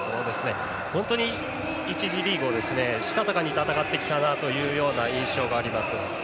本当に１次リーグしたたかに戦ってきたという印象がありますね。